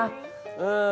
うん。